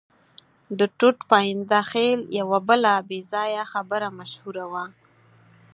د ټوټ پاینده خېل یوه بله بې ځایه خبره مشهوره وه.